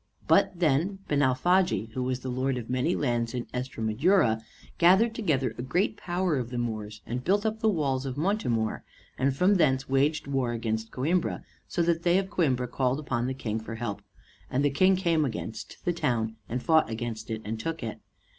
But then Benalfagi, who was the lord of many lands in Estremadura, gathered together a great power of the Moors and built up the walls of Montemor, and from thence waged war against Coimbra, so that they of Coimbra called upon the King for help. And the King came up against the town, and fought against it, and took it.